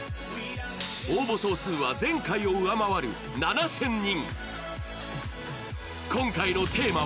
応募総数は前回を上回る７０００人。